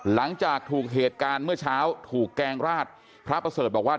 หลังจากถูกเหตุการณ์เมื่อเช้าถูกแกงราดพระประเสริฐบอกว่า